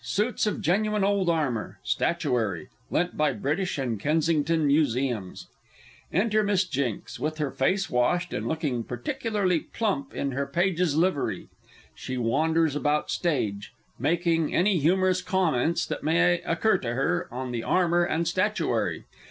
Suits of genuine old armour. Statuary (lent by British and Kensington Museums)._ Enter Miss J., with her face washed, and looking particularly plump in her Page's livery. She wanders about stage, _making any humorous comments that may occur to her on the armour and statuary.